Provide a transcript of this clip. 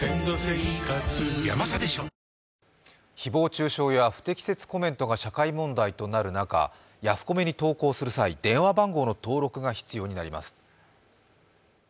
誹謗中傷や不適切コメントが社会問題となる中、ヤフコメに投稿する際、電話番号の登録が必要になります。